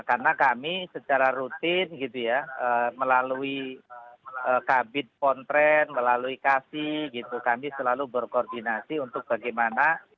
karena kami secara rutin gitu ya melalui kabit pontren melalui kasi gitu kami selalu berkoordinasi untuk bagaimana